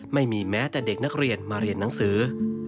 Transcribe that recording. ไม่มีแม้แต่เด็กนักเรียนมาเรียนหนังสือ